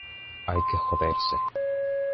hay que joderse.